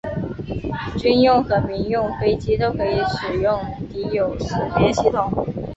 军用和民用飞机都可以使用敌友识别系统。